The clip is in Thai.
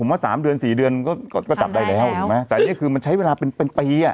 ผมว่า๓เดือน๔เดือนก็จับได้แล้วถูกไหมแต่อันนี้คือมันใช้เวลาเป็นเป็นปีอ่ะ